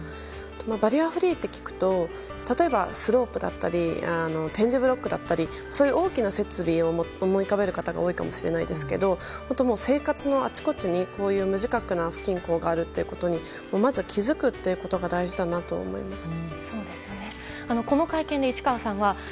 バリアフリーと聞くと例えばスロープだったり点字ブロックだったり大きな設備を思い浮かべる方が多いかもしれませんが生活のあちこちに、こういう無自覚な不均衡があることにまず、気づくことが大事だなと思いました。